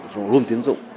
room tiến dụng